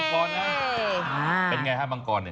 เป็นอย่างไรคะมังกร